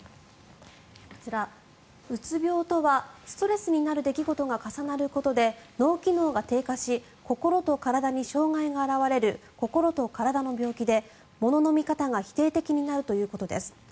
こちら、うつ病とはストレスになる出来事が重なることで脳機能が低下し心と体に障害が表れる心と体の病気で、ものの見方が否定的になるということです。